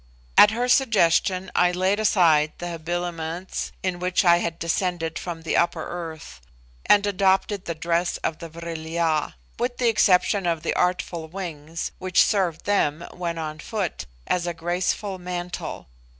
At her suggestion I laid aside the habiliments in which I had descended from the upper earth, and adopted the dress of the Vril ya, with the exception of the artful wings which served them, when on foot, as a graceful mantle.